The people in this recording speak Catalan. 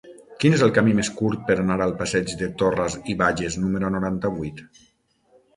Quin és el camí més curt per anar al passeig de Torras i Bages número noranta-vuit?